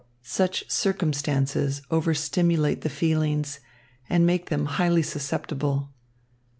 Such circumstances overstimulate the feelings and make them highly susceptible.